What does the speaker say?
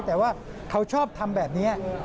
แต่ว่าเขาชอบทำแบบนี้